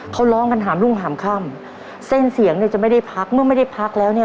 เขาร้องกันหามรุ่งหามค่ำเส้นเสียงเนี่ยจะไม่ได้พักเมื่อไม่ได้พักแล้วเนี่ย